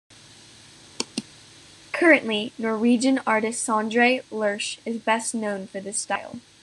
Currently Norwegian artist Sondre Lerche is best known for this style.